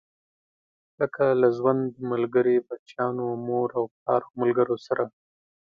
لکه له ژوند ملګري، بچيانو، مور او پلار او ملګرو سره.